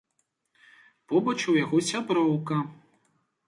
Побач у яго сяброўка.